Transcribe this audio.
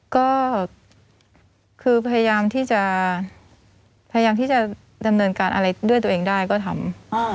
ก็คือพยายามที่จะพยายามที่จะดำเนินการอะไรด้วยตัวเองได้ก็ทำ